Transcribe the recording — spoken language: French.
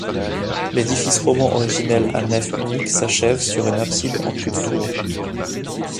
L'édifice roman originel à nef unique s'achève sur une abside en cul de four.